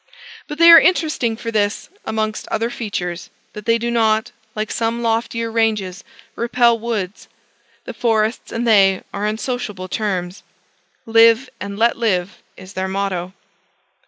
But they are interesting for this, amongst other features that they do not, like some loftier ranges, repel woods: the forests and they are on sociable terms. Live and let live is their motto.